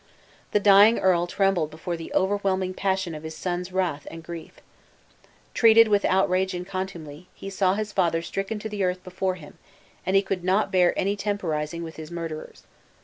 The dying earl trembled before the overwhelming passion of his son's wrath and grief. Treated with outrage and contumely, he saw his father stricken to the earth before him, and he could not bear to hear any temporizing with his murderers.